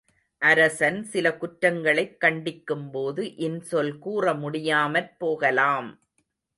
அரசன் சில குற்றங்களைக் கண்டிக்கும் போது இன்சொல் கூறமுடியாமற் போகலாம்.